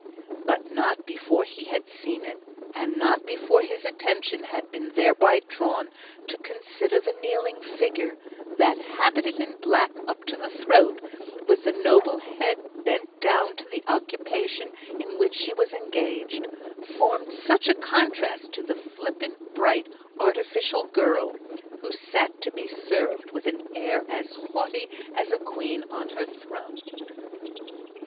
But not before he had seen it, and not before his attention had been thereby drawn to consider the kneeling figure, that, habited in black up to the throat, with the noble head bent down to the occupation in which she was engaged, formed such a contrast to the flippant, bright, artificial girl who sat to be served with an air as haughty as a queen on her throne.